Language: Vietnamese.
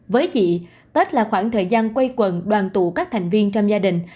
với chị tết là khoảng thời gian quây quần đoàn tụ các thành viên trong gia đình